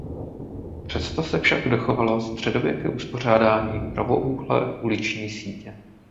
Přesto se však dochovalo středověké uspořádání pravoúhlé uliční sítě.